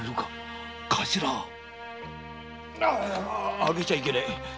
開けちゃいけねえ。